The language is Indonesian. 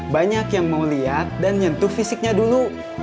banyak yang mau lihat dan nyentuh fisiknya dulu